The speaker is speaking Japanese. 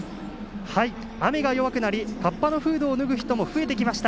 雨が弱くなりかっぱのフードを脱ぐ人も増えてきました